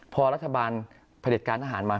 พอรัฐบาลผลิตการทหารมา